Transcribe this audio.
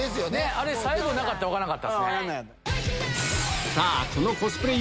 最後なかったら分からんかったっすね。